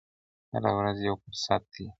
هره ورځ یو فرصت دی.